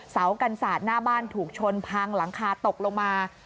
เสากันศาสตร์หน้าบ้านถูกชนพังหลังคาตกลงมา